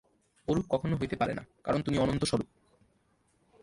ওরূপ কখনও হইতে পারে না, কারণ তুমি অনন্তস্বরূপ।